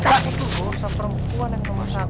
tadi itu bosan perempuan yang ngomong satu satu